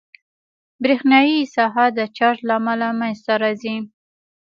برېښنایي ساحه د چارج له امله منځته راځي.